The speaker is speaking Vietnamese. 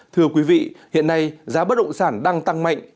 thưa quý vị hiện nay giá bất động sản đang tăng mạnh